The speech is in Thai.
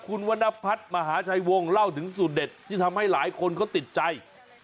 คุณวรรณพัฒน์มหาชัยวงศ์เล่าถึงสูตรเด็ดที่ทำให้หลายคนเขาติดใจ